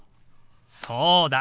そうだ！